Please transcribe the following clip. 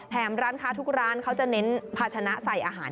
ร้านค้าทุกร้านเขาจะเน้นภาชนะใส่อาหาร